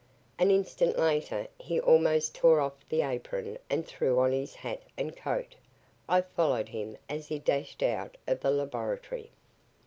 An instant later he almost tore off the apron and threw on his hat and coat. I followed him as he dashed out of the laboratory.